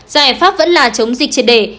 giải pháp vẫn là chống dịch triệt để